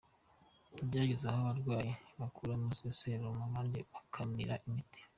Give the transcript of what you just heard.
Byageze aho abarwayi babakuramo za serumu abandi bakabima imiti.